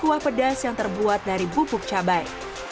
kami kasihi kecemasan kecil dari daging ramai